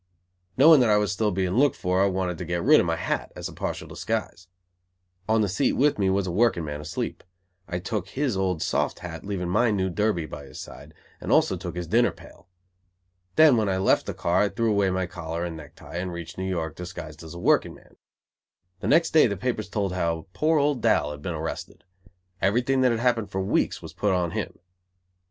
Knowing that I was still being looked for, I wanted to get rid of my hat, as a partial disguise. On the seat with me was a working man asleep. I took his old soft hat, leaving my new derby by his side, and also took his dinner pail. Then when I left the car I threw away my collar and necktie, and reached New York, disguised as a workingman. The next day the papers told how poor old Dal had been arrested. Everything that had happened for weeks was put on him.